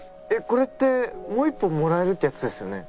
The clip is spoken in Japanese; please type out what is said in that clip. これってもう１本もらえるってやつですよね？